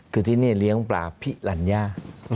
คือที่นี่เลี้ยงปลาพิลัญญา